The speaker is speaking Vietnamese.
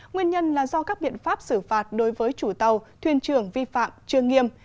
nguyên nhân là do các biện pháp xử phạt đối với chủ tàu thuyền trưởng vi phạm chưa nghiêm